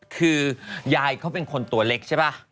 คือยายเขาเป็นคนตัวเล็กใช่ป่ะ